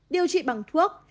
điều trị bằng thuốc